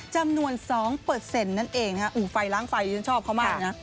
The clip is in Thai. จำนวน๒นั่นเองนะฮะอู่ไฟล้างไฟฉันชอบเขามากนะ